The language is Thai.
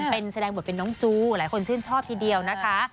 เป็นแสดงบทเป็นน้องจูหลายคนชื่นชอบทีเดียวนะคะ